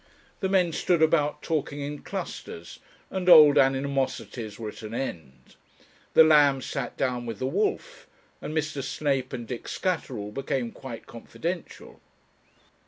The men stood about talking in clusters, and old animosities were at an end. The lamb sat down with the wolf, and Mr. Snape and Dick Scatterall became quite confidential.